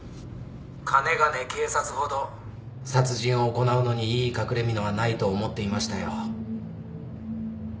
かねがね警察ほど殺人を行うのにいい隠れみのはないと思っていましたよ。